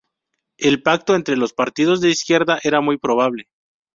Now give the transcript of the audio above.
El pacto entre los dos partidos de izquierda era muy probable.